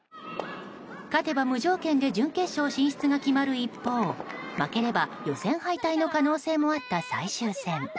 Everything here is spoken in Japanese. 勝てば無条件で準決勝進出が決まる一方負ければ予選敗退の可能性もあった最終戦。